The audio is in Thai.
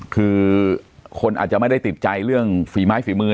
คือคนอาจจะไม่ได้ติดใจเรื่องฝีไม้ฝีมือ